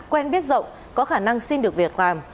quen biết rộng có khả năng xin được việc làm